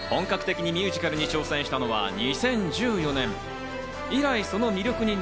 本格的にミュージカルに挑戦したのは２０１４年。